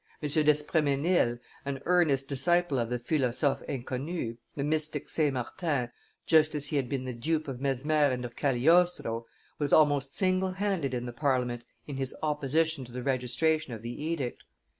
M. d'Espremesnil, an earnest disciple of the philosophe inconnu, the mystic St. Martin, just as he had been the dupe of Mesmer and of Cagliostro, was almost single handed in the Parliament in his opposition to the registration of the edict.